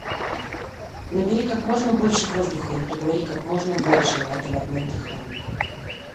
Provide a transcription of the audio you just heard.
Набери как можно больше воздуха и проговори как можно больше на этом одном дыхании.